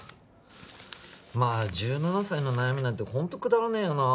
まあ１７歳の悩みなんてホントくだらねえよな